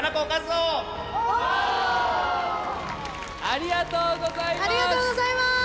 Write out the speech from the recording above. ありがとうございます。